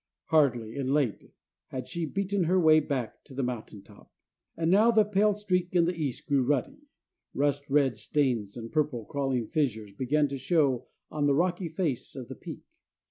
Hardly, and late, had she beaten her way back to the mountain top. And now the pale streak in the east grew ruddy. Rust red stains and purple, crawling fissures began to show on the rocky face of the peak.